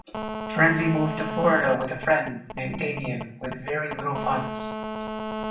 Terenzi moved to Florida with a friend named Damion with very little funds.